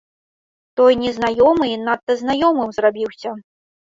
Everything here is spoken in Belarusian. Той незнаёмы і надта знаёмым зрабіўся.